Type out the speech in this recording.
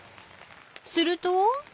［すると］